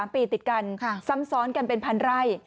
๓ปีติดกันซ้ำซ้อนกันเป็นพันไร่